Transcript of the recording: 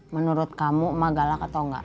menurut kamu mah galak atau enggak